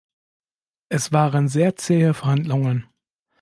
Es waren sehr zähe Verhandlungen.